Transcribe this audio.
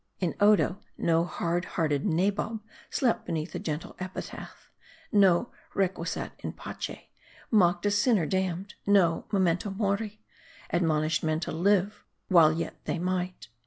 In Odo, no hard hearted nabob slept beneath a gentle epitaph ; no requiescat in pace mocked a sinner damned ; no memento mori admonished men to live while yet they might.